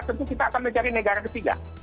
di mana negara ketiga yang akan menjadi negara ketiga